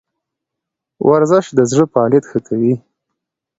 ورزش د زړه فعالیت ښه کوي